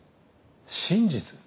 真実？